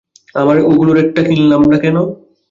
আমরা ওগুলোর একটা কিনলাম না কেন?